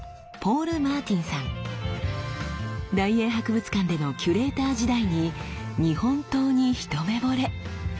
大英博物館でのキュレーター時代に日本刀にひとめぼれ。